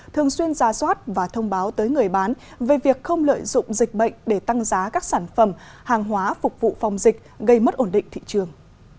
thường xuyên ra soát và thông báo tới người bán về việc không lợi dụng dịch bệnh để tăng giá các sản phẩm hàng hóa phục vụ phòng dịch gây mất ổn định thị trường